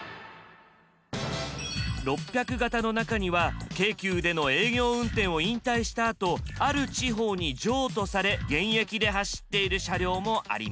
６００形の中には京急での営業運転を引退したあとある地方に譲渡され現役で走っている車両もあります。